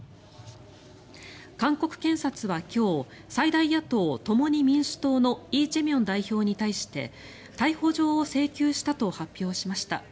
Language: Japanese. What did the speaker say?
韓国検察は今日最大野党・共に民主党のイ・ジェミョン代表に対して逮捕状を請求したと発表しました。